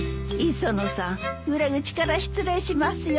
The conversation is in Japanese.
磯野さん裏口から失礼しますよ。